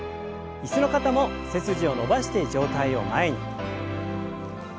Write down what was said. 椅子の方も背筋を伸ばして上体を前に。